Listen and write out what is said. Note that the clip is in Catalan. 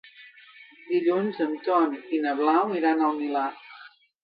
Dilluns en Tom i na Blau iran al Milà.